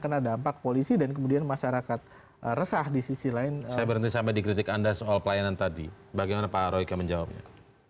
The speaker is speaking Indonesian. sampai jumpa di video selanjutnya